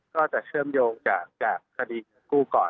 ก็จะเชื่อมโยงจากคดีกู้ก่อน